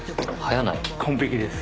完璧です。